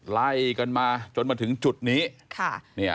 ไล่กันมาจนมาถึงจุดนี้